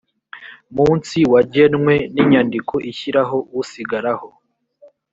munsi wagenwe n inyandiko ishyiraho usigaraho